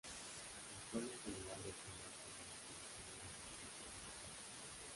El tono general del plumaje de las poblaciones del desierto es más claro.